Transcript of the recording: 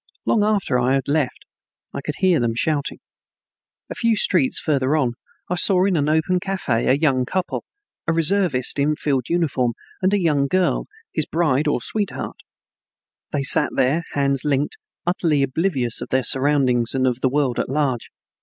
Long after I had left I could hear them shouting. A few streets farther on I saw in an open cafe a young couple, a reservist in field uniform and a young girl, his bride or sweetheart. They sat there, hands linked, utterly oblivious of their surroundings and of the world at large.